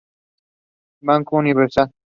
Banco Universal.